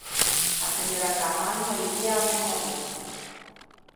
A señora Caamaño aludía á memoria.